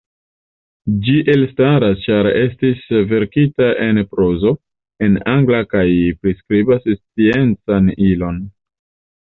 Ĝi elstaras ĉar estis verkita en prozo, en angla, kaj priskribas sciencan ilon.